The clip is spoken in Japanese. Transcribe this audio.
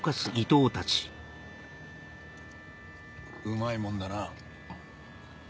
うまいもんだな。